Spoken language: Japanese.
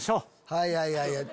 はいはいはいはい。